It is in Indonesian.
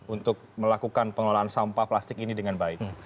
untuk melakukan pengelolaan sampah plastik ini dengan baik